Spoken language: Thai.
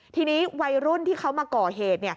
ทีนี้วัยรุ่นที่เขามาก่อเหตุ